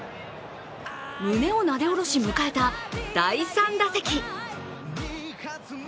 胸をなで下ろし迎えた第３打席。